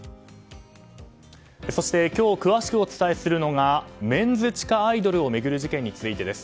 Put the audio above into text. そして今日詳しくお伝えするのがメンズ地下アイドルを巡る事件についてです。